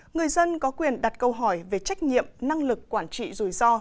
người dân có quyền đặt câu hỏi về trách nhiệm năng lực quản trị rủi ro